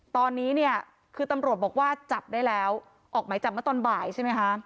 ตอนนี้เนี่ยคือตำรวจบอกว่าจับได้แล้วออกหมายจับมาตอนบ่ายใช่ไหมคะ